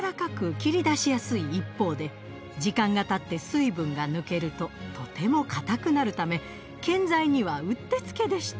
切り出しやすい一方で時間がたって水分が抜けるととても硬くなるため建材にはうってつけでした。